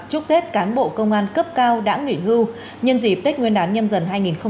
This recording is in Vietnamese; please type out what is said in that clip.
chúc tết cán bộ công an cấp cao đã nghỉ hưu nhân dịp tết nguyên đán nhâm dần hai nghìn hai mươi bốn